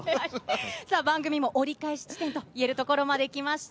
番組も折り返し地点と言えるところまで来ました。